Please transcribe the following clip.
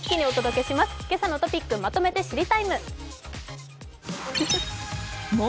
「けさのトピックまとめて知りＴＩＭＥ，」。